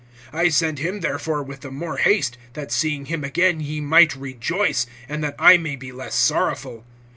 (28)I sent him therefore with the more haste, that seeing him again ye might rejoice, and that I may be less sorrowful.